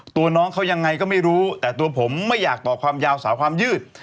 ตัวน้องเขายังไงก็ไม่รู้แต่ตัวผมไม่อยากต่อความยาวสาวความยืด